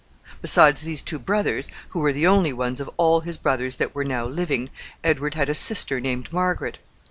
Besides these two brothers, who were the only ones of all his brothers that were now living, Edward had a sister named Margaret.